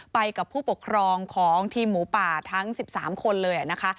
ไปกับผู้ปกครองของทีมหมูป่าทั้ง๑๓คนเลยนะคะ